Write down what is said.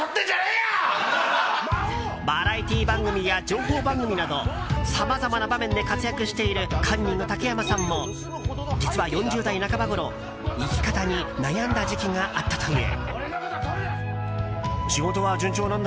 バラエティー番組や情報番組などさまざまな場面で活躍しているカンニング竹山さんも実は、４０代半ばごろ生き方に悩んだ時期があったという。